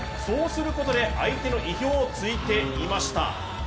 そうすることで相手の意表を突いていました。